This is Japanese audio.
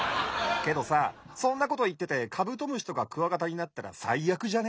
けどさそんなこといっててカブトムシとかクワガタになったらさいあくじゃね？